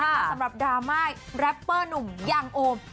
สำหรับดราม่ายแรปเปอร์หนุ่มยังโอม